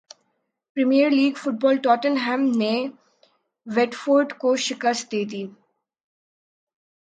premiere league football Tottenham نے Watford کو شکست دیدی